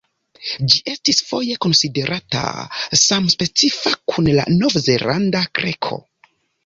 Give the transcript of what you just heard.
Ĝi estis foje konsiderata samspecifa kun la Novzelanda kreko.